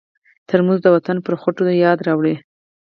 ترموز د وطن پر خټو یاد راوړي.